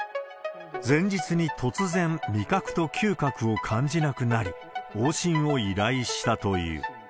前日に突然、味覚と嗅覚を感じなくなり、往診を依頼したという。